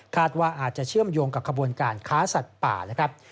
ว่าอาจจะเชื่อมโยงกับขบวนการค้าสัตว์ป่านะครับ